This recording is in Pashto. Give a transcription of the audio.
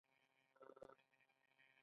هند یو ډیموکراټیک هیواد شو.